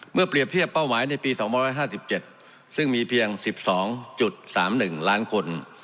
เปรียบเทียบเป้าหมายในปี๒๕๗ซึ่งมีเพียง๑๒๓๑ล้านคน